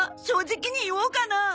正直に言おうかな。